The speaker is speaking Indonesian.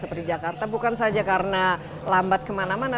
seperti jakarta bukan saja karena lambat kemana mana